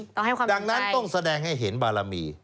ต้องให้ความรู้ใจดังนั้นต้องแสดงให้เห็นบารมี